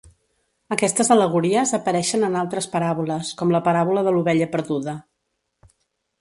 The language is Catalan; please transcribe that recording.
Aquestes al·legories apareixen en altres paràboles, com la paràbola de l'ovella perduda.